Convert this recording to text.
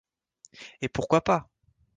Et pourquoi pas ?